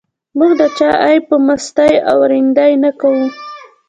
موږ د چا عیب په مستۍ او رندۍ نه کوو.